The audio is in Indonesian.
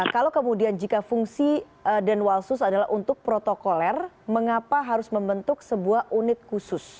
kalau kemudian jika fungsi denwalsus adalah untuk protokoler mengapa harus membentuk sebuah unit khusus